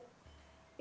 itu ada di dalam hutan